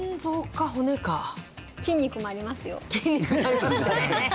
筋肉もありますよね